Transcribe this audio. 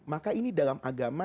maka ini dalam agama